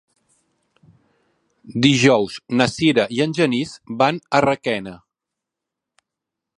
Dijous na Sira i en Genís van a Requena.